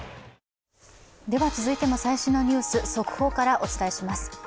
では続いても最新のニュース速報からお伝えします。